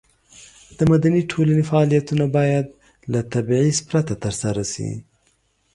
د مدني ټولنې فعالیتونه باید له تبعیض پرته ترسره شي.